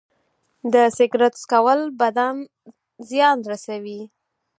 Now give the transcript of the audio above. د سګرټ څکول بدن زیان رسوي.